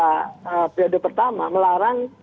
periode pertama melarang